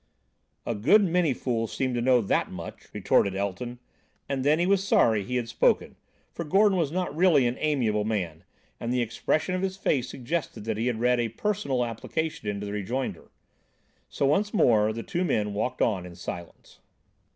"A good many fools seem to know that much," retorted Elton; and then he was sorry he had spoken, for Gordon was not really an amiable man, and the expression of his face suggested that he had read a personal application into the rejoinder. So, once more, the two men walked on in silence.